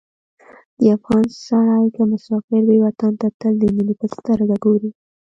د افغان سړی که مسافر وي، وطن ته تل د مینې په سترګه ګوري.